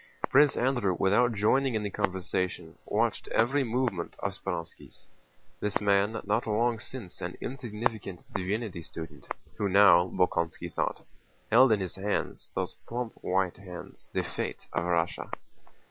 Prince Andrew without joining in the conversation watched every movement of Speránski's: this man, not long since an insignificant divinity student, who now, Bolkónski thought, held in his hands—those plump white hands—the fate of Russia.